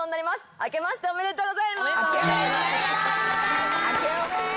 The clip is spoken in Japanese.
明けましてあめでとうございます。